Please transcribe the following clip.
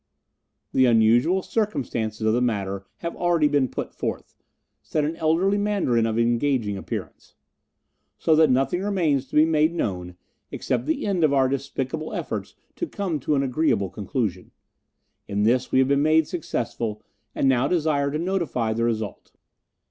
"The unusual circumstances of the matter have already been put forth," said an elderly Mandarin of engaging appearance, "so that nothing remains to be made known except the end of our despicable efforts to come to an agreeable conclusion. In this we have been made successful, and now desire to notify the result.